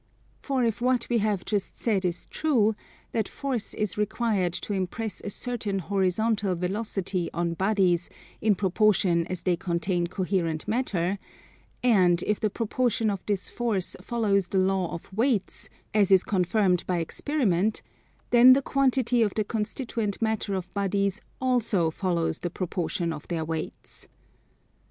For if what we have just said is true: that force is required to impress a certain horizontal velocity on bodies in proportion as they contain coherent matter; and if the proportion of this force follows the law of weights, as is confirmed by experiment, then the quantity of the constituent matter of bodies also follows the proportion of their weights.